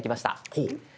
ほう！